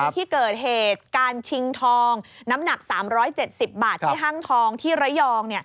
ที่เกิดเหตุการชิงทองน้ำหนัก๓๗๐บาทที่ห้างทองที่ระยอง